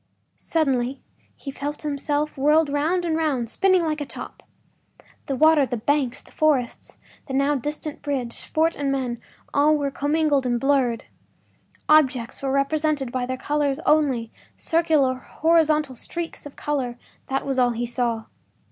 ” Suddenly he felt himself whirled round and round—spinning like a top. The water, the banks, the forests, the now distant bridge, fort and men, all were commingled and blurred. Objects were represented by their colors only; circular horizontal streaks of color—that was all he saw.